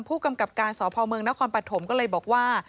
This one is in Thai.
ผู้กำกับการสพเมืองนครปฐมก็เลยบอกว่า